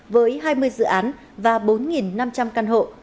với hai mươi dự án và bốn năm trăm linh căn hộ